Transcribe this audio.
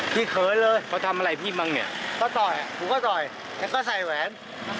พี่เขยเลยเขาทำอะไรพี่บ้างเนี้ยก็ต่อยผมก็ต่อยแล้วก็ใส่แหวน